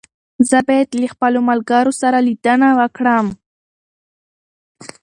زه بايد له خپلو ملګرو سره ليدنه وکړم.